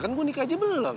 kan gue nikah aja belum